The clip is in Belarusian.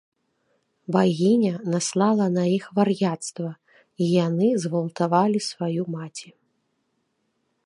Багіня наслала на іх вар'яцтва, і яны згвалтавалі сваю маці.